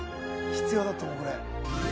「必要だと思うこれ」